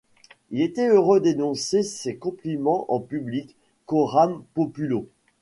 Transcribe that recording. Il était heureux d’énoncer ses compliments en public, coram populo.